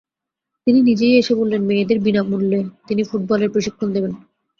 তিনি নিজেই এসে বললেন, মেয়েদের বিনা মূল্যে তিনি ফুটবলের প্রশিক্ষণ দেবেন।